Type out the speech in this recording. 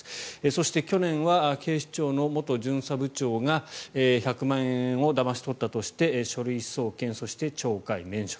そして、去年は警視庁の元巡査部長が１００万円をだまし取ったとして書類送検そして懲戒免職。